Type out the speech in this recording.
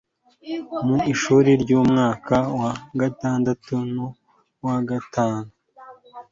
mu ishuri ryo mu mwaka wa gatandatu n'uwa gatanu